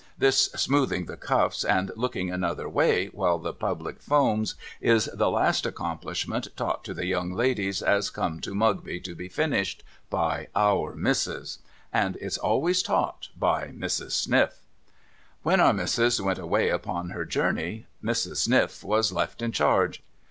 This smoothing the cuffs and looking another way while the public foams is the last accomplishment taught to the young ladies as come to Mugby to be finished by Our Missis ; and it's always taught by Mrs. Sniff. When Our Missis went away upon her journey, Mrs. Sniff was left in charge.